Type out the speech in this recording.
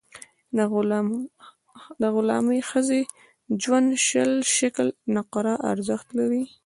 د غلامي ښځې ژوند شل شِکِل نقره ارزښت لري.